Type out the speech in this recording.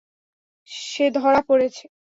সে ধরা পড়েছে?